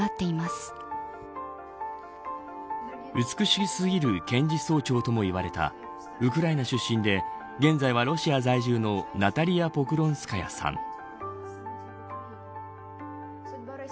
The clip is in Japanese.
美しすぎる検事総長ともいわれたウクライナ出身で現在はロシア在住のナタリア・ポクロンスカヤさん。